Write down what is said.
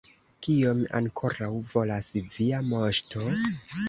Kion ankoraŭ volas via moŝto?